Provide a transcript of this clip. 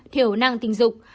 một mươi bốn thiểu năng tình dục